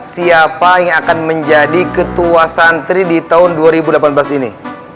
siapa yang akan menjadi ketua santri di tahun dua ribu delapan belas ini